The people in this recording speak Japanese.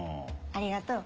ありがとう。